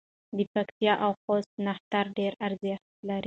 د پکتیا او خوست نښتر ډېر ارزښت لري.